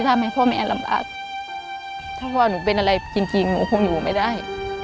ถ้าว่าหนูเป็นอะไรจริงหนูคงอยู่ไม่ได้